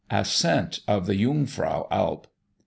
ASCENT OF THE JUNGFRAU ALP.